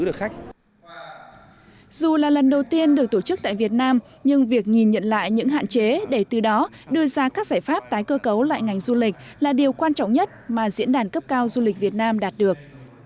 dù là lần đầu tiên được tổ chức tại việt nam nhưng việc nhìn nhận lại những hạn chế để từ đó đưa ra các giải pháp tái cơ cấu lại ngành du lịch là điều quan trọng nhất mà diễn đàn cấp cao du lịch việt nam đạt được